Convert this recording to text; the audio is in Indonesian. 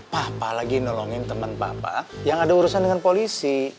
papa lagi nolongin teman papa yang ada urusan dengan polisi